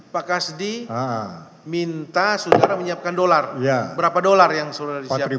pak kasdi minta saudara menyiapkan dolar berapa dolar yang sudah disiapkan